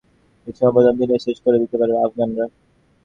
দেশের মাটিতে বাংলাদেশের বিশ্বকাপ প্রথম দিনেই শেষ করে দিতে পারে আফগানরা।